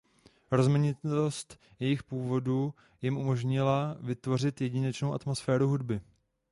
Rozmanitost jejich původu jim umožnila vytvořit jedinečnou atmosféru hudby.